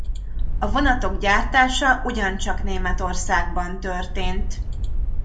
A vonatok gyártása ugyancsak Németországban történt.